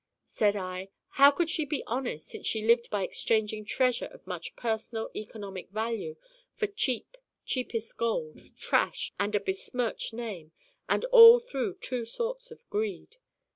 Said I: 'How could she be honest, since she lived by exchanging treasure of much personal economic value for cheap cheapest gold, trash, and a besmirched name: and all through two sorts of greed?